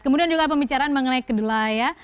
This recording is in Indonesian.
kemudian juga pembicaraan mengenai kedelai ya